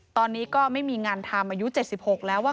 ตอนนี้ก็ไม่มีงานทำอายุ๗๖แล้วว่า